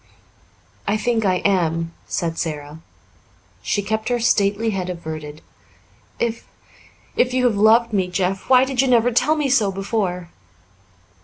"I think I am," said Sara. She kept her stately head averted. "If if you have loved me, Jeff, why did you never tell me so before?"